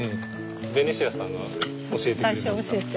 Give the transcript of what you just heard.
ベニシアさんが教えてくれました。